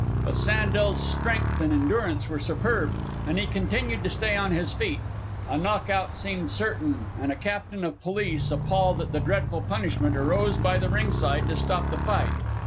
But Sandel's strength and endurance were superb, and he continued to stay on his feet. A knock out seemed certain, and a captain of police, appalled at the dreadful punishment, arose by the ringside to stop the fight.